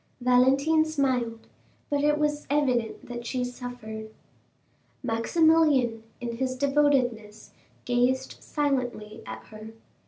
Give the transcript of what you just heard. Valentine smiled, but it was evident that she suffered. Maximilian, in his devotedness, gazed silently at her.